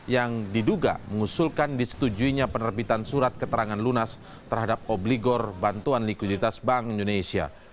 yang diduga mengusulkan disetujuinya penerbitan surat keterangan lunas terhadap obligor bantuan likuiditas bank indonesia